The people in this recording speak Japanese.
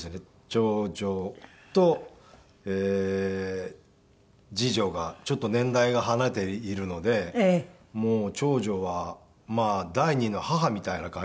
長女と次女がちょっと年代が離れているので長女は第二の母みたいな感じで。